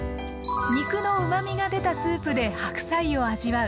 肉のうまみが出たスープで白菜を味わう